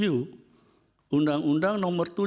undang undang nomor tujuh